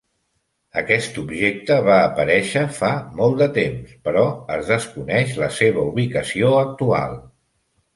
Aquest objecte va aparèixer fa molt de temps, però es desconeix la seva ubicació actual.